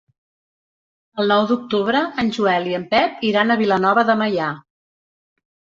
El nou d'octubre en Joel i en Pep iran a Vilanova de Meià.